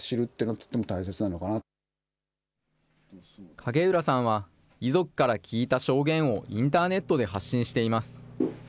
影浦さんは、遺族から聞いた証言をインターネットで発信しています。